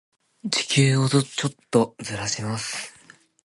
地球をちょっとずらします。